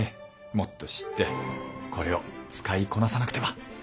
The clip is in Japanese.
もっと知ってこれを使いこなさなくては！